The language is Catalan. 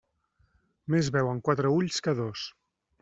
Més veuen quatre ulls que dos.